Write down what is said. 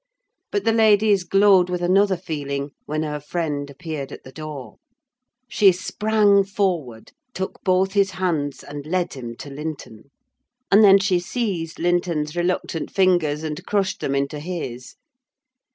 But the lady's glowed with another feeling when her friend appeared at the door: she sprang forward, took both his hands, and led him to Linton; and then she seized Linton's reluctant fingers and crushed them into his.